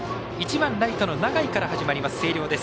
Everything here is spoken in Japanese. １番ライトの永井から始まります星稜。